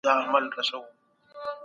هر ټولنپوه خپله ځانګړې ساحه لري.